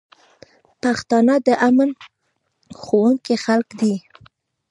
پښتانه د امن خوښونکي خلک دي.